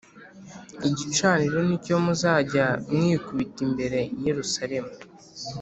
igicaniro ni cyo muzajya mwikubita imbere i Yerusalemu